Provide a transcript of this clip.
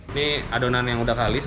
ini adonan yang udah kalis